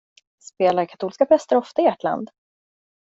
Spelar katolska präster ofta i ert land?